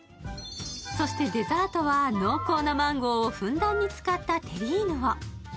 そしてデザートは濃厚なマンゴーをふんだんに使ったテリーヌを。